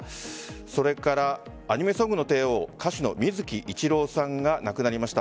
それからアニメソングの帝王歌手の水木一郎さんが亡くなりました。